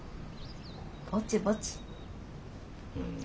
ぼちぼち。